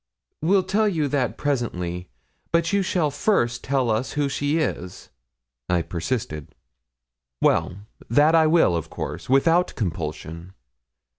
'We'll tell you that presently, but you shall first tell us who she is,' I persisted. 'Well, that I will, of course, without compulsion.